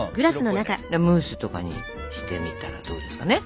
ムースとかにしてみたらどうですかね。